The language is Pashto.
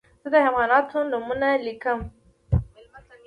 زه د حیواناتو نومونه لیکم.